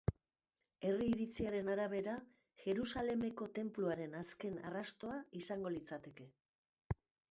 Herri iritziaren arabera, Jerusalemeko Tenpluaren azken arrastoa izango litzateke.